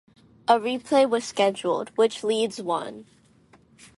A replay was scheduled, which Leeds won.